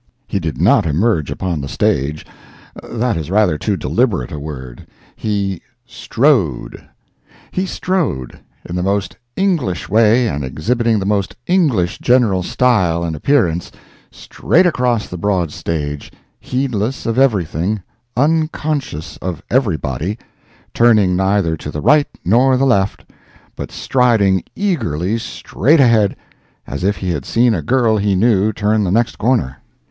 He did not emerge upon the stage—that is rather too deliberate a word—he strode. He strode—in the most English way and exhibiting the most English general style and appearance—straight across the broad stage, heedless of everything, unconscious of everybody, turning neither to the right nor the left—but striding eagerly straight ahead, as if he had seen a girl he knew turn the next corner.